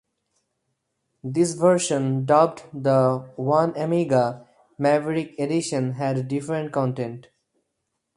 This version, dubbed The One Amiga: Maverick Edition, had a different content.